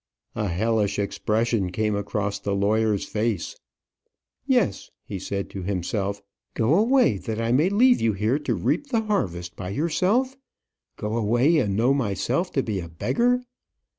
A hellish expression came across the lawyer's face. "Yes," he said to himself; "go away, that I may leave you here to reap the harvest by yourself. Go away, and know myself to be a beggar."